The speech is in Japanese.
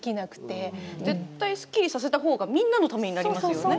絶対すっきりさせたほうがみんなのためになりますよね。